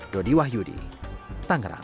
dodi wahyudi tangerang